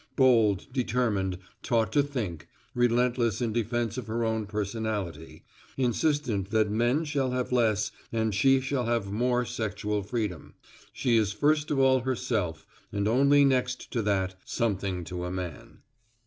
Bold, determined, taught to think, relentless in defense of her own personality, insistent that men shall have less and she shall have more sexual freedom, she is first of all herself and only next to that, something to a man.